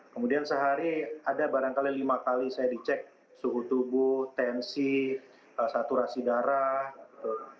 kemudian sehari ada barangkali lima kali saya dicek suhu tubuh tensi saturasi darah gitu